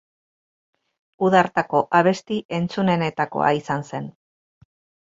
Uda hartako abesti entzunenetakoa izan zen.